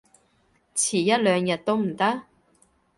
遲一兩日都唔得？